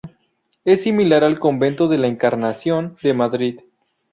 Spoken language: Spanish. Es similar al Convento de la Encarnación de Madrid.